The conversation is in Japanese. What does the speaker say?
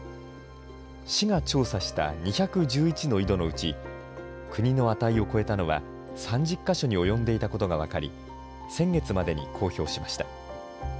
市が調査した２１１の井戸のうち、国の値を超えたのは３０か所に及んでいたことが分かり、先月までに公表しました。